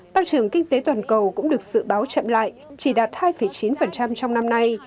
tăng trưởng kinh tế toàn cầu cũng được dự báo chậm lại chỉ đạt hai chín trong năm nay